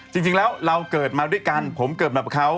จริงแล้วเราเกิดมาด้วยกันผมเกิดมากับเขา